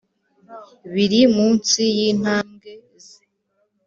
biri munsi yintambwe, ze